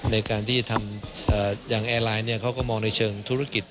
ในการที่ทำอย่างแอร์ไลน์เขาก็มองในเชิงธุรกิจ